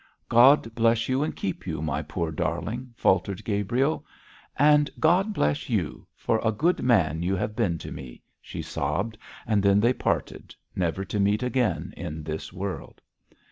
'God bless and keep you, my poor darling!' faltered Gabriel. 'And God bless you! for a good man you have been to me,' she sobbed, and then they parted, never to meet again in this world.